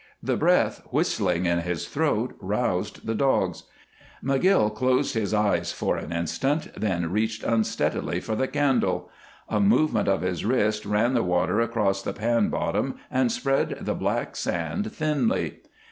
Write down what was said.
The breath whistling in his throat roused the dogs. McGill closed his eyes for an instant, then reached unsteadily for the candle. A movement of his wrist ran the water across the pan bottom and spread the black sand thinly.